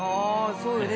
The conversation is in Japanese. そうよね。